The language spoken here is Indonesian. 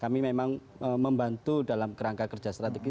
kami memang membantu dalam kerangka kerja strategi